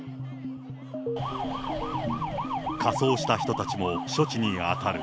仮装した人たちも処置に当たる。